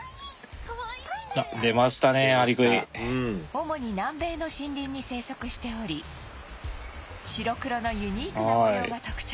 主に南米の森林に生息しており白黒のユニークな模様が特徴